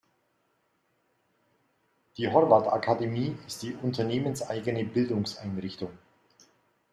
Die "Horváth Akademie" ist die unternehmenseigene Bildungseinrichtung.